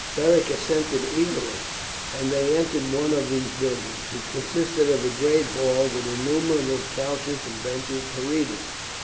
Beric assented eagerly, and they entered one of these buildings. It consisted of a great hall with innumerable couches and benches for readers.